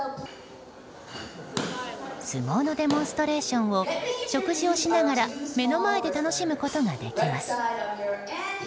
相撲のデモンストレーションを食事をしながら目の前で楽しむことができます。